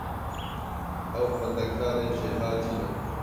Ew xwendekarên jêhatî ne.